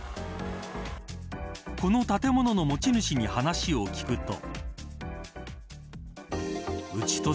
この建物の持ち主に話を聞くと。